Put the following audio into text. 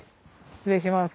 失礼します。